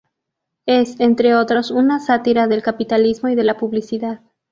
Es, entre otros, una sátira del capitalismo y de la publicidad.